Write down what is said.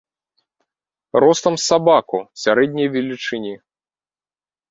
Ростам з сабаку сярэдняй велічыні.